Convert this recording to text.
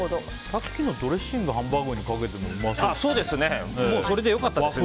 さっきのドレッシングハンバーグにかけてもそれでもいいですね。